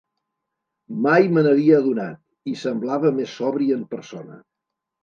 Mai me n'havia adonat; i semblava més sobri en persona.